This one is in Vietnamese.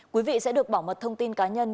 quý vị sẽ được bảo mật thông tin cá nhân